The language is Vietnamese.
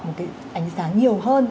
một cái ánh sáng nhiều hơn